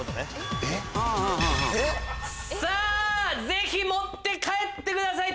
ぜひ持って帰ってください